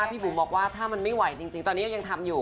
พี่บุ๋มบอกว่าถ้ามันไม่ไหวจริงตอนนี้ยังทำอยู่